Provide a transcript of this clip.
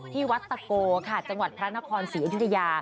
ที่วัดตะโกจังหวัดพระนครศรีอุทิศยา